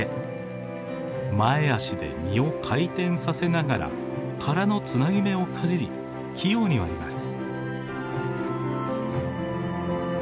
前足で実を回転させながら殻のつなぎ目をかじり器用に割ります。